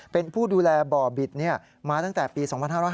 เป็นผู้ดูแลบ่อบิดมาตั้งแต่ปี๒๕๕๙